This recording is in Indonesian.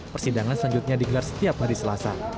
persidangan selanjutnya digelar setiap hari selasa